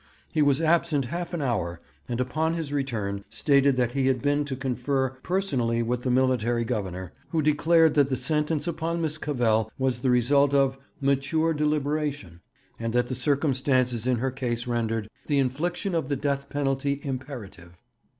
He was absent half an hour, and upon his return stated that he had been to confer personally with the Military Governor, who declared that the sentence upon Miss Cavell was the result of 'mature deliberation,' and that the circumstances in her case rendered 'the infliction of the death penalty imperative.'